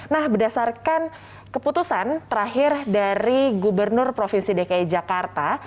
nah berdasarkan keputusan terakhir dari gubernur provinsi dki jakarta